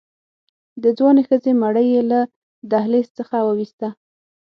د ځوانې ښځې مړی يې له دهلېز څخه ووېسته.